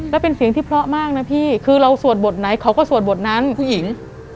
แล้วเป็นเสียงที่เพราะมากนะพี่คือเราสวดบทไหนเขาก็สวดบทนั้นผู้หญิง